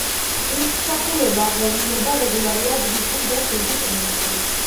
ღვთისმსახურება აღევლინება რეგულარულად რუსულ და შვედურ ენებზე.